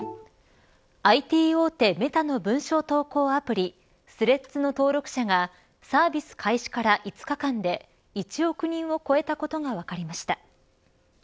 ＩＴ大手メタの文章投稿アプリスレッズの登録者がサービス開始から５日間で１億人を超えたことが分かりました。